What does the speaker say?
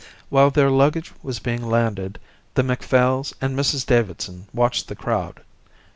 While their luggage was being landed the Macphails and Mrs Davidson watched the crowd.